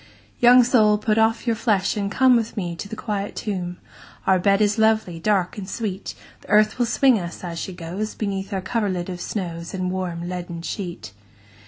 II. Young soul put off your flesh, and come With me into the quiet tomb, Our bed is lovely, dark, and sweet; The earth will swing us, as she goes, Beneath our coverlid of snows, And the warm leaden sheet.